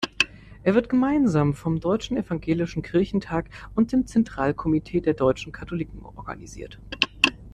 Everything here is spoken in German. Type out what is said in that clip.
Er wird gemeinsam vom Deutschen Evangelischen Kirchentag und dem Zentralkomitee der deutschen Katholiken organisiert.